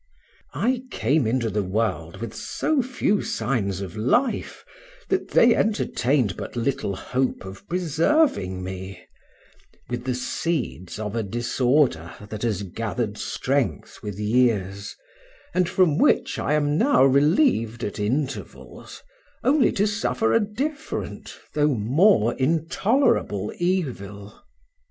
I came into the world with so few signs of life, that they entertained but little hope of preserving me, with the seeds of a disorder that has gathered strength with years, and from which I am now relieved at intervals, only to suffer a different, though more intolerable evil.